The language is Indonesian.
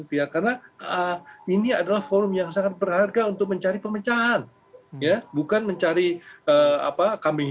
pihak karena ini adalah forum yang sangat berharga untuk mencari pemecahan ya bukan mencari apa kambing